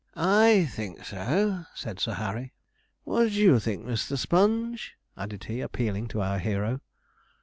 'I think so,' said Sir Harry. 'What do you think, Mr. Sponge?' added he, appealing to our hero.